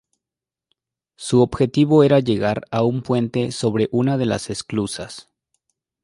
Su objetivo era llegar a un puente sobre una de las esclusas.